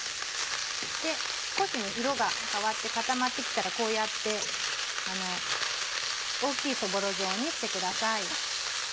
少し色が変わって固まって来たらこうやって大きいそぼろ状にしてください。